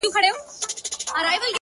نه مي کوئ گراني. خو ستا لپاره کيږي ژوند.